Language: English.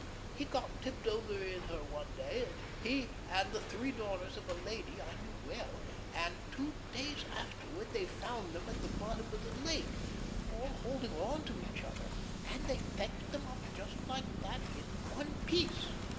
He got tipped over in her one day, he and the three daughters of a lady I knew well, and two days afterward they found them at the bottom of the lake, all holding on to each other; and they fetched them up just like that in one piece.